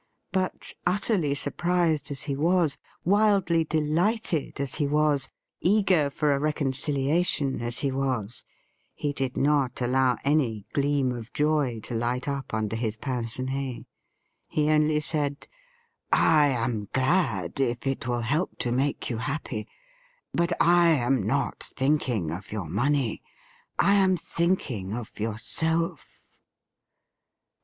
But, utterly sur prised as he Vas, wildly delighted as he was, eager for a fecoriciliation* as he was, he did not allow any gleam of joy to light up under his pince nez. He only said :' I am glad, if it will help to make you happy ; but I am not thinking of your money — I am thinking of your self.'